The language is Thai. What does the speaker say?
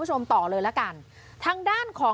สุดทนแล้วกับเพื่อนบ้านรายนี้ที่อยู่ข้างกัน